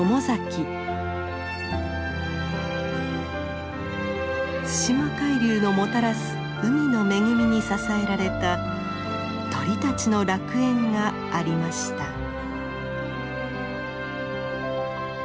対馬海流のもたらす海の恵みに支えられた鳥たちの楽園がありました。